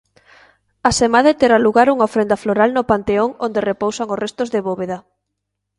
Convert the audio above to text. Asemade terá lugar unha ofrenda floral no panteón onde repousan os restos de Bóveda.